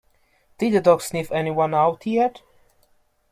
Did the dog sniff anyone out yet?